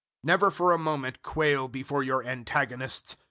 001:028 Never for a moment quail before your antagonists.